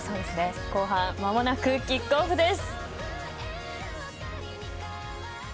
後半、まもなくキックオフです。